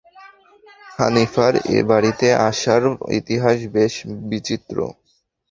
হানিফার এ-বাড়িতে আসার ইতিহাস বেশ বিচিত্র।